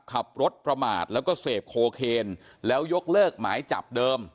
ขับรถประมาทแล้วก็เสพโคเคนแล้วยกเลิกหมายจับเดิม